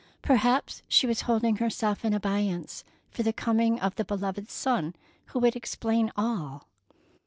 Perhaps she was holding herself in abeyance for the coming of the beloved son who would explain all.